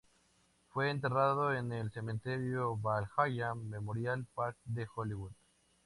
Fue enterrado en el Cementerio Valhalla Memorial Park de Hollywood.